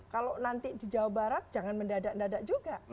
kalau nanti di jawa barat jangan mendadak dadak juga